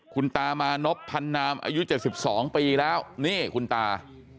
คุณตามานพพันนามอายุ๗๒ปีแล้วนี่คุณตา